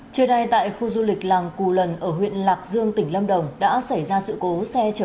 trưa nay tại khu du lịch làng cù lần ở huyện lạc dương tỉnh lâm đồng đã xảy ra sự cố xe chở